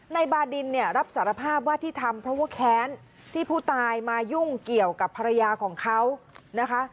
บาดินเนี่ยรับสารภาพว่าที่ทำเพราะว่าแค้นที่ผู้ตายมายุ่งเกี่ยวกับภรรยาของเขานะคะ